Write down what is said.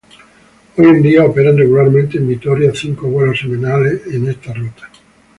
Hoy en día operan regularmente en Vitória cinco vuelos semanales en esta ruta.